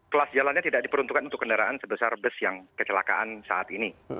kelas jalannya tidak diperuntukkan untuk kendaraan sebesar bus yang kecelakaan saat ini